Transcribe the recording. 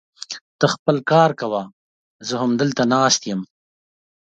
ته خپل کار کوه، زه همدلته ناست يم.